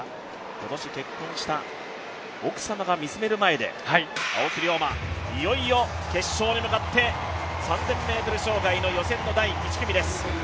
今年結婚した、奥様が見つめる中で青木涼真、いよいよ決勝へ向かって３０００ｍ障害の予選の第１組です。